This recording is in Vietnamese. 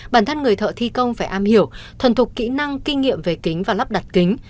bản thân người thợ thi công phải am hiểu thuần thục kỹ năng kinh nghiệm về kính và lắp đặt kính